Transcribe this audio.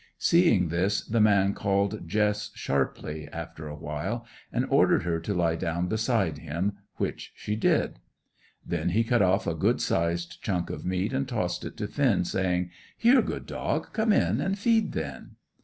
Seeing this, the man called Jess sharply, after a while, and ordered her to lie down beside him, which she did. Then he cut off a good sized chunk of meat and tossed it to Finn, saying, "Here, good dog; come in and feed then!"